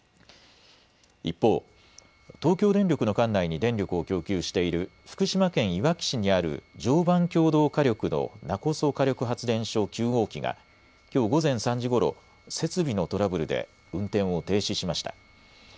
一方、東京電力の管内に電力を供給している福島県いわき市にある常磐共同火力の勿来火力発電所９号機がきょう午前３時ごろ設備のトラブルで運転を停止しました。